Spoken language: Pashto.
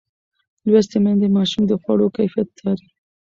لوستې میندې د ماشوم د خواړو کیفیت څاري.